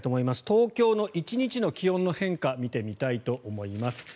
東京の１日の気温の変化を見てみたいと思います。